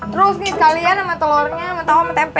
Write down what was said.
terus ini sekalian sama telurnya sama tahu sama tempe ya